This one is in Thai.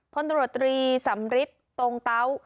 พลตรวจตรีสำริทตรงเตา